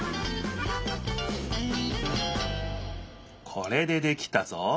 これでできたぞ。